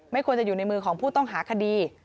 ควรจะอยู่ในมือของผู้ต้องหาคดี